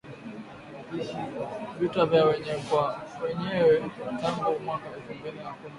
vita vya wenyewe kwa wenyewe tangu mwaka elfu mbili na kumi na tatu